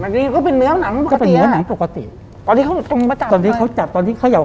อันนี้ก็เป็นเนื้อหนังปกติเนื้อหนังปกติตอนนี้เขาต้องมาจับตอนนี้เขาจับตอนนี้เขาหย่อ